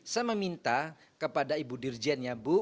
saya meminta kepada ibu dirjen ya bu